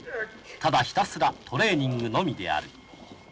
ただひたすらトレーニングのみである。